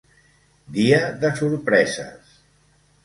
Dia de sorpreses!